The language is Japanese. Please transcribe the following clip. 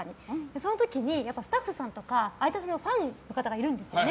その時にスタッフさんとか相田さんのファンの方がいるんです。